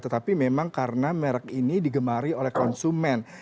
tetapi memang karena merek ini digemari oleh konsumen